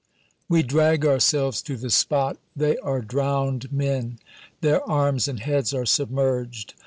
We drag ourselves to the spot. They are drowned men. Their arms and heads are submerged.